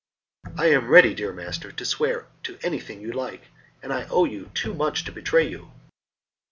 "I am ready, dear master, to swear to anything you like, and I owe you too much to betray you."